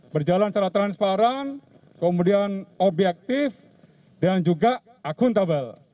berjalan secara transparan kemudian objektif dan juga akuntabel